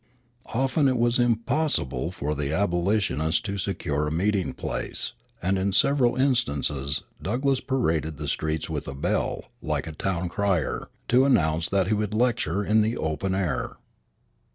Often it was impossible for the abolitionists to secure a meeting place; and in several instances Douglass paraded the streets with a bell, like a town crier, to announce that he would lecture in the open air.